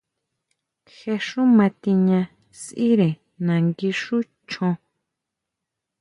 Je xú matiña sʼíre nangui xu chon.